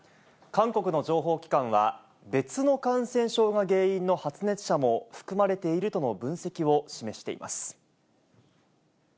韓国の情報機関は、別の感染症が原因の発熱者も含まれているとの分析を示しています。